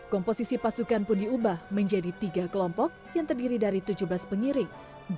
komposisi pasukan pun diubah menjadi tiga kelompok yang terdiri dari tujuh belas pengiring